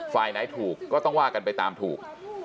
ฝ่ายไหนถูกก็ต้องว่ากันไปตามถูก